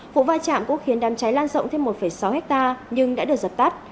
vụ va chạm cũng khiến đám cháy lan rộng thêm một sáu hectare nhưng đã được dập tắt